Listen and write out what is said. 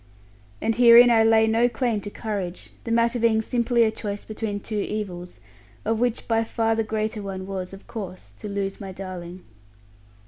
And herein I lay no claim to courage; the matter being simply a choice between two evils, of which by far the greater one was, of course, to lose my darling.